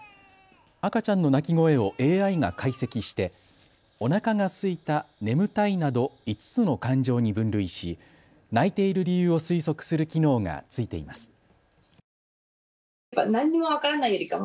赤ちゃんの泣き声をＡＩが解析しておなかがすいた、眠たいなど５つの感情に分類し泣いている理由を推測する機能がついています。